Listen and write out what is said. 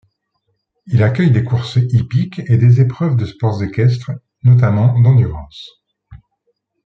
Il accueille des courses hippiques et des épreuves de sports équestre, notamment d'endurance.